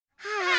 はい！